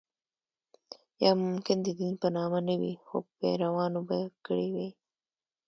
یا ممکن د دین په نامه نه وي خو پیروانو به کړې وي.